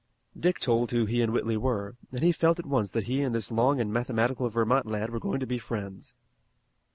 Dick told who he and Whitley were, and he felt at once that he and this long and mathematical Vermont lad were going to be friends.